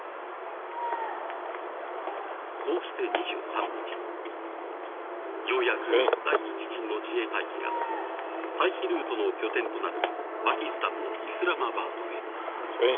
こうして２３日、ようやく第１陣の自衛隊機が退避ルートの拠点となるパキスタンのイスラマバードへ。